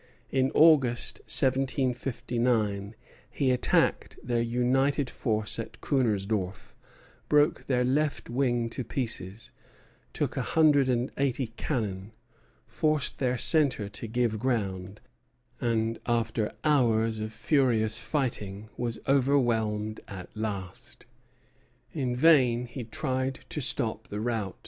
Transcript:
In August, 1759, he attacked their united force at Kunersdorf, broke their left wing to pieces, took a hundred and eighty cannon, forced their centre to give ground, and after hours of furious fighting was overwhelmed at last. In vain he tried to stop the rout.